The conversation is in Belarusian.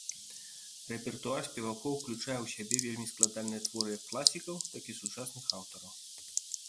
Рэпертуар спевакоў ўключае ў сябе вельмі складаныя творы як класікаў, так і сучасных аўтараў.